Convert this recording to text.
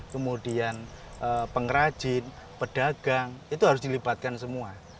kemudian pengrajin pedagang itu harus dilibatkan semua